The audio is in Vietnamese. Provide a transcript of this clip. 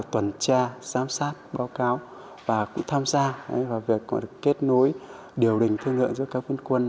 tuần tra giám sát báo cáo và cũng tham gia và việc cũng được kết nối điều đình thương lượng giữa các viên quân